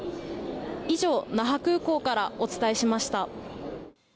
以上、那覇空港からお伝えしました。